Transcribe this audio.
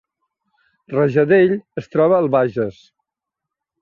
Rajadell es troba al Bages